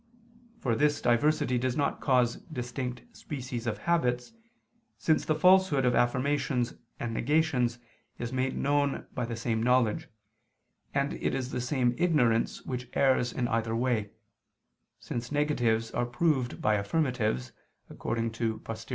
For this diversity does not cause distinct species of habits, since the falsehood of affirmations and negations is made known by the same knowledge, and it is the same ignorance which errs in either way, since negatives are proved by affirmatives, according to Poster.